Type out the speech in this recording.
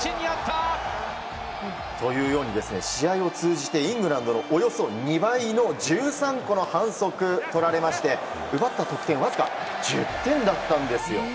試合を通じてイングランドのおよそ２倍の１３個の反則をとられまして奪った得点はわずか１０点だったんですよ。